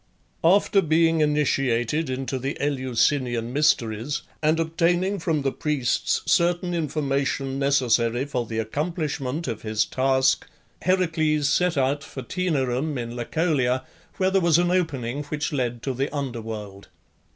After being initiated into the Eleusinian Mysteries, and obtaining from the priests certain information necessary for the accomplishment of his task, Heracles set out for Taenarum in Lacolia, where there was an opening which led to the under world.